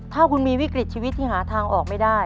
ถ้าคุณมีวิกฤตชีวิตที่หาทางออกไม่ได้